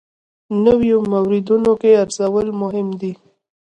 نویو موردونو کې ارزول مهم دي.